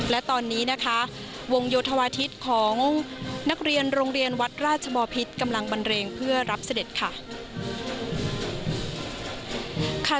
และตอนนี้นะคะวงโยธวาทิศของนักเรียนโรงเรียนวัดราชบอพิษกำลังบันเรงเพื่อรับเสด็จค่ะ